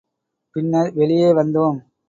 பின்னர், வெளியே வந்தோம்.